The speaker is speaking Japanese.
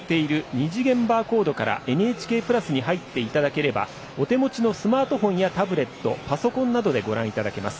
２次元バーコードから「ＮＨＫプラス」に入っていただければお手持ちのスマートフォンやタブレット、パソコンなどでご覧いただけます。